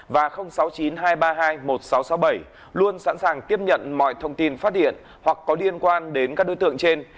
và sáu mươi chín hai trăm ba mươi hai một nghìn sáu trăm sáu mươi bảy luôn sẵn sàng tiếp nhận mọi thông tin phát điện hoặc có liên quan đến các đối tượng trên